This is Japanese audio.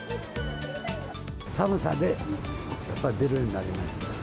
寒さでやっぱり、出るようになりました。